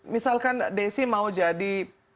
misalkan desi mau jadi